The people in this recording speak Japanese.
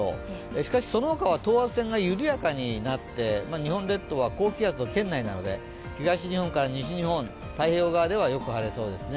しかし、その他は等圧線が緩やかになって日本列島は高気圧の圏内なので東日本から西日本太平洋側ではよく晴れそうですね。